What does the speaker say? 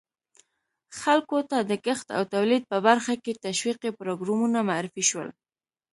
خلکو ته د کښت او تولید په برخه کې تشویقي پروګرامونه معرفي شول.